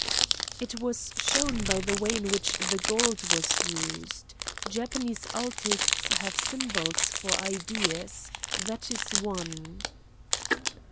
"It was shown by the way in which the gold was used. Japanese altists have symbols for ideas. That is one."